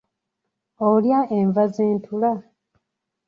Olya enva z'entula?